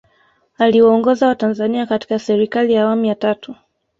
Aliwaongoza watanzania katika Serikali ya Awamu ya Tatu